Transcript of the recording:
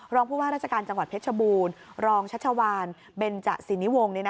รองผู้ว่าราชการจังหวัดเพชรบูรณ์รองชัชวานเบนจสินนิวงศ์